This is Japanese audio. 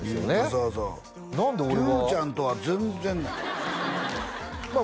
そうそう何で俺は隆ちゃんとは全然ないまあ